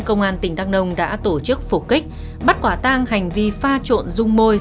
công an tỉnh đắk nông đã tổ chức phục kích bắt quả tang hành vi pha trộn dung môi